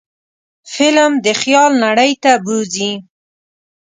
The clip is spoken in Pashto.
فلم د خیال نړۍ ته بوځي